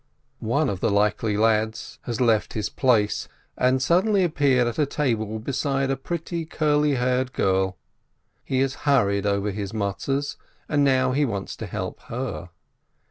One of the likely lads has left his place, and suddenly appeared at a table beside a pretty, curly haired girl. He has hurried over his Matzes, and now he wants to help her.